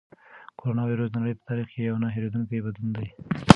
کرونا وېروس د نړۍ په تاریخ کې یو نه هېرېدونکی بدلون دی.